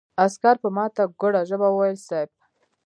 عسکر په ماته ګوډه ژبه وويل: صېب!